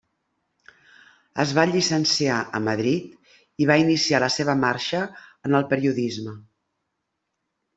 Es va llicenciar a Madrid i va iniciar la seva marxa en el periodisme.